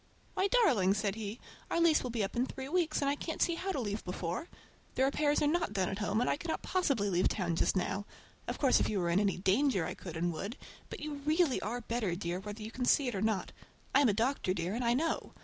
"Why darling!" said he, "our lease will be up in three weeks, and I can't see how to leave before. "The repairs are not done at home, and I cannot possibly leave town just now. Of course if you were in any danger I could and would, but you really are better, dear, whether you can see it or not. I am a doctor, dear, and I know.